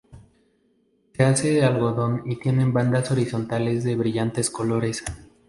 Se hacen de algodón y tienen bandas horizontales de brillantes colores.